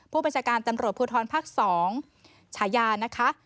ผู้บัญชาการตำรวจภูทรภาค๒ฉายานะคะ